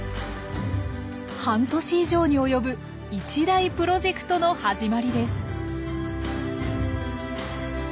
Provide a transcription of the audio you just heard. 半年以上に及ぶ一大プロジェクトの始まりです。